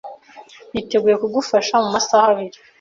Niteguye kugufasha mumasaha abiri